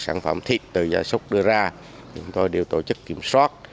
sản phẩm thịt từ ra xúc đưa ra chúng tôi đều tổ chức kiểm soát